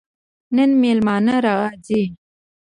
نن مېلمانه راځي